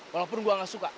walaupun gue gak suka